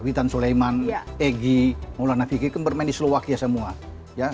witan sulaiman egy maulana fikih kan bermain di selowakia semua